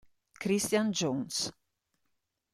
Christian Jones